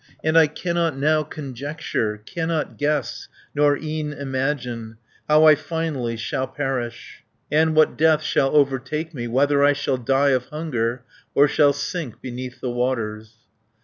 And I cannot now conjecture, Cannot guess, nor e'en imagine, How I finally shall perish, And what death shall overtake me Whether I shall die of hunger, Or shall sink beneath the waters."